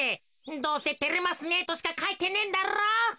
どうせ「てれますね」としかかいてねえんだろう。